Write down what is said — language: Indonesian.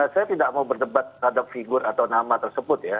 saya tidak mau berdebat terhadap figur atau nama tersebut ya